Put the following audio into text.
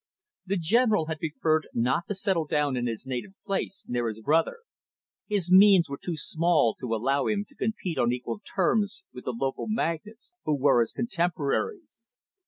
The General had preferred not to settle down in his native place, near his brother. His means were too small to allow him to compete on equal terms with the local magnates who were his contemporaries.